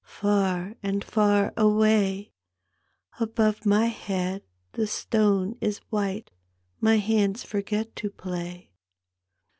Far and far away/ Above my head the stone is white. My hands forget to play.